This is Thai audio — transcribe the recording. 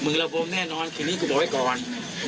มือละโบมแน่นอนคืนนี้กูบอกให้ก่อน